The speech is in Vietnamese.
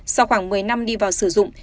sau khoảng một mươi năm đi vào sử dụng